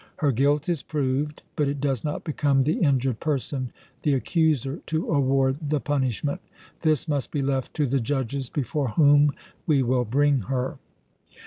Her guilt is proved; but it does not become the injured person, the accuser, to award the punishment. This must be left to the judges before whom we will bring her."